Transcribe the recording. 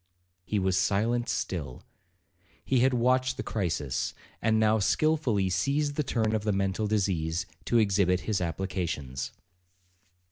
He was silent still. He had watched the crisis, and now skilfully seized the turn of the mental disease, to exhibit his applications.